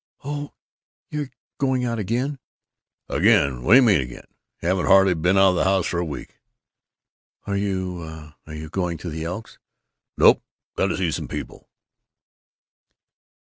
"Oh! You're going out again?" "Again! What do you mean 'again'! Haven't hardly been out of the house for a week!" "Are you are you going to the Elks?" "Nope. Got to see some people."